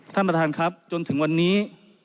ท่านประธานครับจนถึงวันนี้